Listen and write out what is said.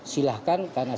di mana ada yang berlangsung